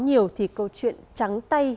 nhiều thì câu chuyện trắng tay